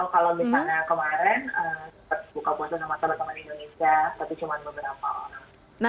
kalau misalnya kemarin buka puasa sama teman teman indonesia tapi cuma beberapa orang